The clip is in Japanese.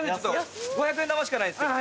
５００円玉しかないんですけど。